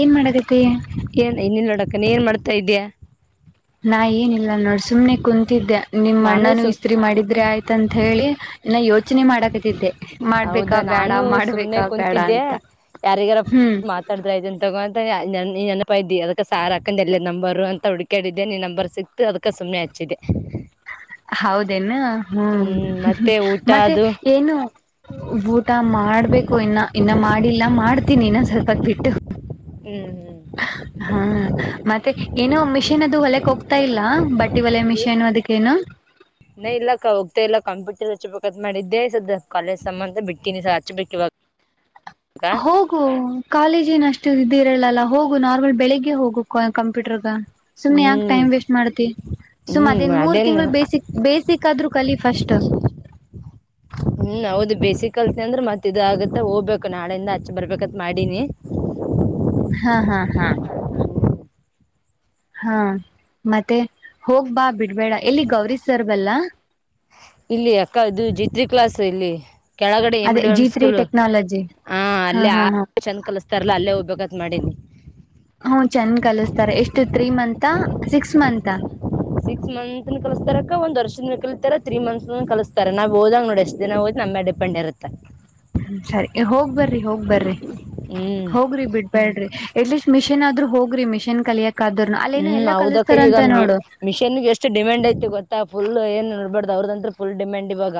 ಏನ್ ಮಾಡಕತಿ? ಅಕ ನಿ ಏನ್ ಮಾಡ್ತಾ ಇದ್ಯಾ ನಾ ಏನಿಲ್ಲ ನೋಡ್ ಸುಮ್ನೆ ಕುಂತಿದ್ದೆ ನಿಮ್ ನಾನು ಅಣ್ಣನು ಸುಮ್ ಇಸ್ತ್ರಿ ಮಾಡಿದ್ರೆ ಆಯ್ತ ಅಂತ ಹೇಳಿ ಇನ್ನ ಯೋ [unintelligible] ಚನೆ ಮಾಡಾತಿತ್ತಿದ್ದೆ ಹೌದಾ ನಾನು ಸುಮ್ನೆ ಬೇಡ ಕುಂತಿದ್ದೆ ಅಂತ ಯಾರಿಗಾರ ಹ್ಮ್ ಮಾತಾಡ್ದ ಇದ್ದನ್ ತಗೊಂತ ನನ್ ನೀ ನನಪಾಯ [unintelligible] ಇದ್ದಿ ಅದಕ್ಕೆ ಸಾರ್ ಹಾಕೊಂಡ್ ಎಲ್ಲ ನಂಬರ್ ಅಂತ ಹುಡುಕಾಡಿದ್ದೆ ನೀ ನಂಬರ್ ಸಿಕ್ತು ಅದಕ ಸುಮ್ಮನೆ ಹಚ್ಚಿದೆ ಹೌದೇನ ಹು ಹ್ಮ್ ಮತ್ತೆ ಊಟ ಮತ್ತೆ ಅದು ಏನು ಊಟ ಮಾಡ್ಬೇಕು ಇನ್ನ ಇನ್ನ ಮಾಡಿಲ್ಲ ಮಾಡ್ತೀನಿ ಇನ್ನ ಸ್ವಲ್ಪದ್ [unintelligible] ಬಿಟ್ಟು [unintelligible] ಹಾ ಮತ್ತೆ ಏನೋ ಮಿಷಿನ್ ಅದು ಹೊಲೆಕ್ ಹೋಗ್ತಾ ಇಲ್ಲ ಬಟ್ಟೆ ಒಲೆ ಇಲ್ಲ ಮಿಷೇನ್ ಅದಕ್ಕೇನು ಇನ್ನ ಇಲ್ಲಕ ಹೋಗ್ತಾ ಇಲ್ಲ ಕಾಂಪ್ಯೂಟರ್ ಹಚ್ಚಬೇಕಂತ ಮಾಡಿದ್ದೆ ಸದ [unintelligible] ಕಾಲೇಜ್ [unintelligible] ಬಿಡ್ತೀನಿ ಸ ಹಚ್ಬೇಕು ಇವಾಗ ಹೋಗು ಕಾಲೇಜನ್ ಅಷ್ಟು ಇದ್ದಿರಲ್ಲಲ್ಲ ಹೋಗು ನಾರ್ಮಲ್ ಬೆಳಿಗ್ಗೆ ಹೋಗು ಕ ಕಂಪ್ಯೂಟರ್ಗ ಸುಮ್ನೆ ಯಾಕ ಹ್ಮ್ ಟೈಮ್ ವೇಸ್ಟ್ ಮಾಡ್ತಿ ಸುಮ್ ಅದೇನ್ ಮೂರ್ ತಿಂಗಳು ಬೇಸಿಕ್ ಬೇಸಿಕ್ ಆದ್ರು ಕಲಿ ಫಸ್ಟ್ ಕಲ್ತಿನಿ [unintelligible] ಅಂದ್ರೆ ಮತ್ ಇದ ಆಗತ್ತ ಹೋಗ್ಬೇಕು ನಾಳೆಯಿಂದ ಹಾಚೆ ಬರ್ಬೇಕತ್ ಮಾಡಿನಿ ಹಾ ಹಾ ಹಾ ಹಾ ಮತ್ತೆ ಹೋಗ್ ಬಾ ಬಿಡ್ಬೇಡ ಎಲ್ಲಿ ಗೌರಿ ಸರ್ಬಲ್ಲ ಇಲ್ಲಿ ಅಕ್ಕ ಇದು ಜಿತ್ರಿ ಕ್ಲಾಸ್ ಇಲ್ಲಿ ಕೆಳಗಡೆ ಎ ಅದೇ ಮಿಡಂ ಜಿ [unintelligible] ತ್ರಿ ಸ್ಕೂಲ್ ಟೆಕ್ನಾಲಜಿ ಹ ಹಾ ಅಲ್ಲಿ ಆ ಹಾ ಹಾ ಚನಾಗ್ [unintelligible] ಕಲಿಸತಾರಲ್ಲ ಅಲ್ಲೇ [unintelligible] ಮಾಡೀನಿ ಹ್ಮ ಚಂದ ಕಲಸ್ತಾರೆ ಎಷ್ಟು ತ್ರೀ ಮಂತ ಹ [unintelligible] ಸಿಕ್ಸ್ ಮಂತಾ ಸಿಕ್ಸ್ ಮಂತ್ನ್ [unintelligible] ಕಲ್ಸ್ತಾರಕ ಒಂದ್ ವರ್ಷದ ಕಳ್ಸ್ತಾರ ತ್ರೀ ಮಂತ್ಸ್ ಕಳ್ಸ್ತಾರ್ [unintelligible] ಅಷ್ಟ್ ದಿನ ಒಯ್ದ [unintelligible] ನಮ್ಮ್ಯ ಡಿಪೆಂಡ್ ಇರುತ್ತೆ ಸರಿ ಹೋಗ್ ಬರ್ರಿ ಹೋಗ್ ಬರ್ರಿ ಹ್ಮ್ ಹೋಗ್ರಿ ಬಿಡ್ಬೇಡ್ರಿ ಎಟ್ಲೀಸ್ಟ್ [unintelligible] ಮಿಷಿನ್ ಆದ್ರೂ ಹೋಗ ಗ್ರಿಮಿಷನ್ ಕಲಿಯಕ್ಕ ಹ್ಮ್ ಹೌದಕ್ಕ ಈಗ ಮಿ ಮಿಷೀನ್ಗೆ ಎಷ್ಟು ಡಿಮ್ಯಾಂಡ್ ಯತಿ ಗೊತ್ತಾ ಫುಲ್ [unintelligible] ಏನ್ ನೋಡ್ಬಾರ್ದ ಅವ್ರದಂತ್ರ ಫುಲ್ ಡಿಮ್ಯಾಂಡ್ ಇವಾಗ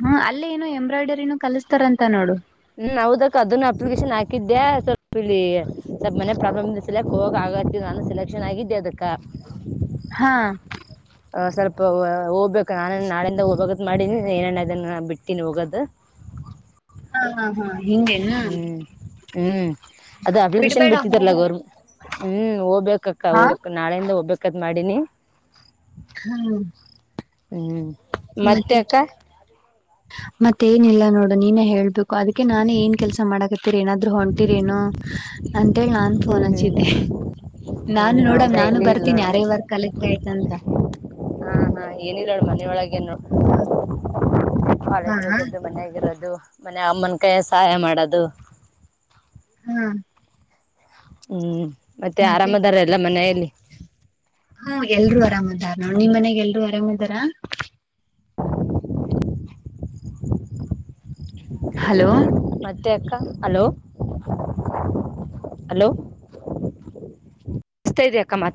ಹ್ಮ ಅಲ್ಲೇ ಏನೋ ಎಂಬ್ರಾಯ್ಡರಿನೂ ಕಲಸ್ತಾರಂತ ನೋಡು ಹ್ಮ್ ಹೌದಕ್ಕ ಅದನ್ನು ಅಪ್ಲಿಕೇಶನ್ ಹಾಕಿದ್ದೆ ಸ್ವಲ್ಪ ಇಲ್ಲಿ ಸ್ವಲ್ಪ ಮನೆ ಪ್ರಾಬ್ಲಮ್ [unintelligible] ನಾನು ಸೆಲೆಕ್ಷನ್ ಆಗಿದ ಅದಕ್ಕ ಹಾ ಸ್ವಲ್ಪ ಹೋಗ್ಬೇಕು ನಾನ ನಾಳಿಂದ ಹೋಗದ ಮಾಡಿನಿ [unintelligible] ಏನೇನ ಅದನ್ನು ಬಿಡ್ತೀನಿ ಹೋಗೋದು ಹಾ ಹಾ ಹಾ ಹಿಂಗೇನಾ ಹ್ಮ್ ಹ್ಮ್ ಅದು ಅಪ್ಲಿಕೇಶನ್ ಬಿಡ್ಬೇಡ ಬಿಟ್ಟಿದಾರಲ್ಲ ಹೋಗ್ರಿ ಗೌರ್ ಹ್ಮ್ ಹೋಗ್ಬೇಕಕ್ಕ [unintelligible] ಹಾ ಹೋಗ್ ನಾಳೆಯಿಂದ ಹೋಗ್ಬೇಕ [unintelligible] ಮಾಡಿನಿ ಹಾ ಹ್ಮ್ ಮತ್ತೆ ಅಕ್ಕ ಮತ್ತ ಏನಿಲ್ಲ ನೋಡು ನೀನೇ ಹೇಳ್ಬೇಕು ಅದಕ್ಕೆ ನಾನೇ ಏನ್ ಕೆಲ್ಸ ಮಾಡಕತ್ತೀರ ಏನಾದ್ರೂ ಹೊಂಟಿರೇನು ಅ ಮೇಳ ನಾನ್ ಫೋನ್ ಹ್ಮ್ ಹ್ಮ್ ಹಚ್ಚಿದ್ದೆ ನಾನು ಹ್ಮ್ ನೋಡಮ ಹೌದಾ ನಾನು ಎಲ್ಲಿ ಇಲ್ಲ ಬರ್ತೀನಿ ನೋಡನೆ ಯಾರೇ ವರ್ಕ್ ಕಲಿದ್ರೆ ಆಯ್ತಂತ ಏನು ನೋಡು ಹಾಗಗನು [unintelligible] ಹಾ ಕಾಲೇಜ್ಗೆ ಹೋಗೋದು ಮನೆಗಿರೋದು ಮನೆ ಅಮ್ಮನಕಾಯಿ ಸಹಾಯ ಮಾಡೋದು ಹ್ಮ್ ಹ್ಮ್ ಮತ್ತೆ ಆರಾಮದಾರ ಎಲ್ಲ ಮನೆಯಲ್ಲಿ ಹ್ಮ ಎಲ್ರುೂ ಆರಾಮ್ದಾರ ನೋ ನಿಮ್ ಮನೆಯಾಗ ಎಲ್ರು ಆರಾಮ ಇದಾರ ಹಲೋ ಅ ಹಲೋ ಹಲೋ ನ ಇದ ಅಕ್ಕ